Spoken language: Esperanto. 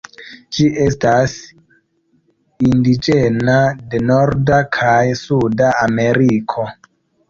Ĝi estas indiĝena de Norda kaj Suda Ameriko.